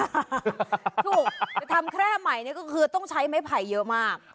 ถูกไปทำแคร่ใหม่นี่ก็คือต้องใช้ไม้ไผ่เยอะมาก